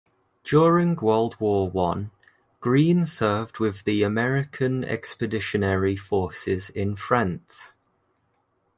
During World War One, Green served with the American Expeditionary Forces in France.